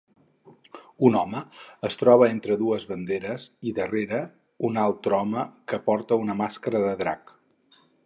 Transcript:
Un home es troba entre dues banderes i darrere un altre home que porta una màscara de drac.